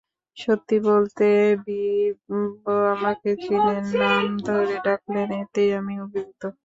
সত্যি বলতে ভিভ আমাকে চেনেন, নাম ধরে ডাকলেন, এতেই আমি অভিভূত।